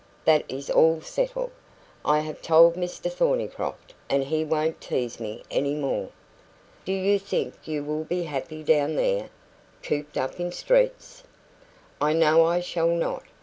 That is all settled. I have told Mr Thornycroft, and he won't tease me any more." "Do you think you will be happy down there, cooped up in streets?" "I know I shall not.